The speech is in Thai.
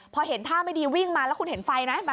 พอเห็นท่าไม่ดีวิ่งมาแล้วคุณเห็นไฟไหม